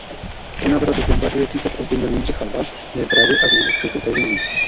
Po návratu z Lombardie císař obvinil Jindřicha Lva ze zrady a z neúspěchu tažení.